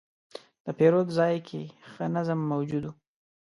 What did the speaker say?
د پیرود ځای کې ښه نظم موجود و.